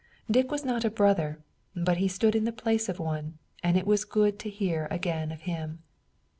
Dick was not a brother, but he stood in the place of one, and it was good to hear again of him.